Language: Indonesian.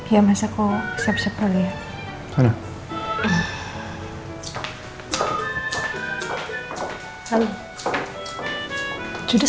iya masa aku siap siap dulu ya